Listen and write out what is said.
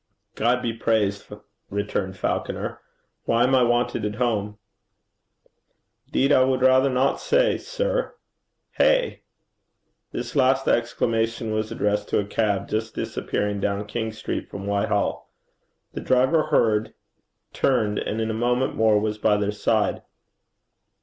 'God be praised!' returned Falconer. 'Why am I wanted at home?' ''Deed I wad raither not say, sir. Hey!' This last exclamation was addressed to a cab just disappearing down King Street from Whitehall. The driver heard, turned, and in a moment more was by their side.